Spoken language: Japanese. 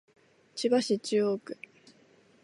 千葉市中央区